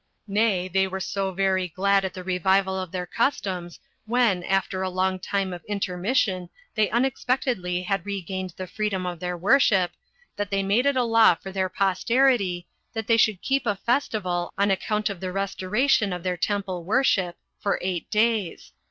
Nay, they were so very glad at the revival of their customs, when, after a long time of intermission, they unexpectedly had regained the freedom of their worship, that they made it a law for their posterity, that they should keep a festival, on account of the restoration of their temple worship, for eight days.